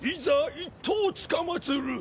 一刀つかまつる。